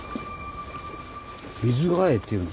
「水ヶ江」っていうんですか。